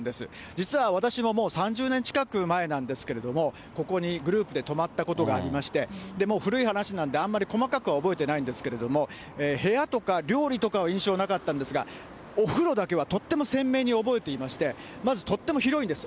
実は、私ももう３０年近く前なんですけれども、ここにグループで泊まったことがありまして、もう古い話なんで、あんまり細かくは覚えてないんですけれども、部屋とか料理とかは印象なかったんですが、お風呂だけはとっても鮮明に覚えていまして、まずとっても広いんです。